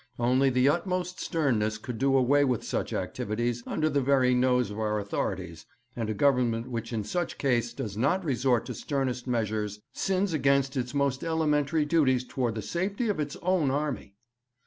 Only the utmost sternness could do away with such activities under the very nose of our authorities, and a Government which in such case does not resort to the sternest measures sins against its most elementary duties toward the safety of its own army.